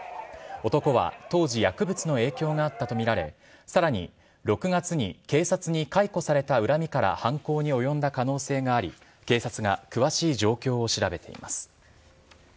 男は当時薬物の影響があったとみられさらに６月に警察に解雇された恨みから犯行に及んだ可能性があり警察が詳しい状況を調べています。